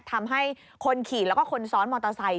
ทำให้คนขี่แล้วก็คนซ้อนมอเตอร์ไซค